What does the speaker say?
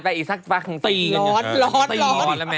ไปกันสองคนวิ่งกันกลางเกาะ